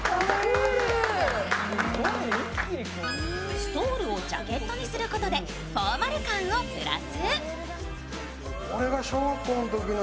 ストールをジャケットにすることでフォーマル感をプラス。